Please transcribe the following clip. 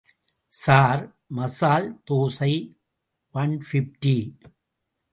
Sir... masala dosa one fifty.